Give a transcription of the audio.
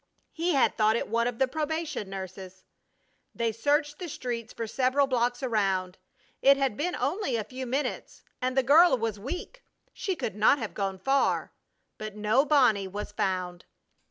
He had thought it one of the probation nurses. They searched the streets for several blocks around. It had been only a few minutes, and the girl was weak. She could not have gone far! But no Bonnie was found!